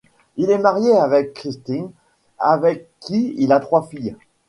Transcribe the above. Il est marié à Kristin, avec qui il a trois filles.